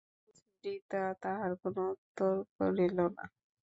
সুচরিতা তাহার কোনো উত্তর করিল না।